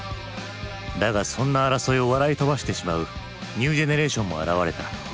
だがそんな争いを笑い飛ばしてしまうニュージェネレーションも現れた。